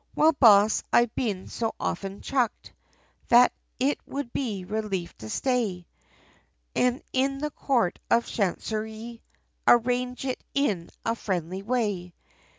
"Well Boss, I've been so often chucked, That it would be relief to stay, And in the Court of Chancerie, Arrange it in a friendly way."